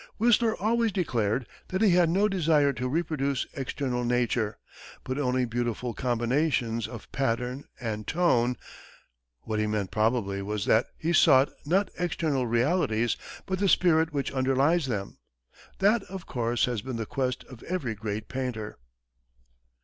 Whistler always declared that he had no desire to reproduce external nature, but only beautiful combinations of pattern, and tone; what he meant, probably, was that he sought, not external realities, but the spirit which underlies them. That, of course, has been the quest of every great painter.